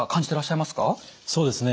そうですね。